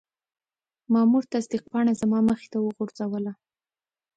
مامور تصدیق پاڼه زما مخې ته وغورځوله.